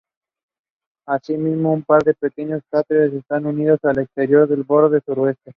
Así mismo, un par de pequeños cráteres están unidos al exterior del borde sureste.